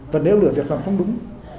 và nếu lờ việt làm không đúng